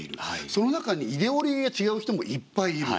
その中にイデオロギーが違う人もいっぱいいる。